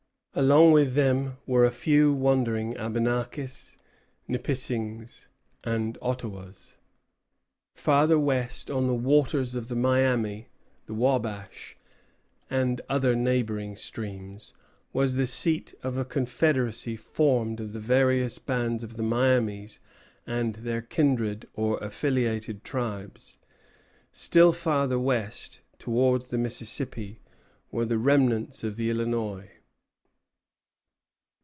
Along with them were a few wandering Abenakis, Nipissings, and Ottawas. Farther west, on the waters of the Miami, the Wabash, and other neighboring streams, was the seat of a confederacy formed of the various bands of the Miamis and their kindred or affiliated tribes. Still farther west, towards the Mississippi, were the remnants of the Illinois.